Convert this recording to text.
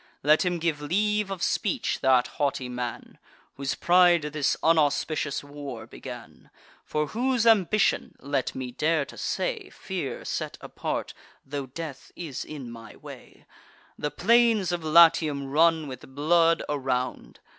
Let him give leave of speech, that haughty man, Whose pride this unauspicious war began; For whose ambition (let me dare to say, Fear set apart, tho' death is in my way) The plains of Latium run with blood around.